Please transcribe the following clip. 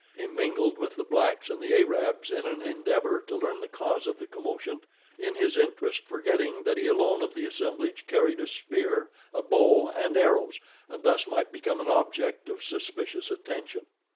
He mingled with the blacks and the Arabs in an endeavor to learn the cause of the commotion, in his interest forgetting that he alone of the assemblage carried a spear, a bow and arrows, and thus might become an object of suspicious attention.